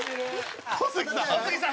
小杉さん